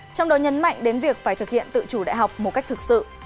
trong đó nhấn mạnh đến việc phải thực hiện tự chủ đại học một cách thực sự